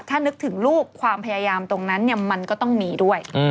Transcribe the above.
ถ้านึกถึงลูกความพยายามตรงนั้นมันก็ต้องมีด้วย